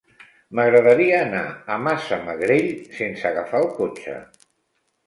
M'agradaria anar a Massamagrell sense agafar el cotxe.